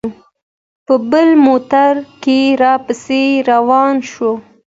په بل موټر کې را پسې روان شو.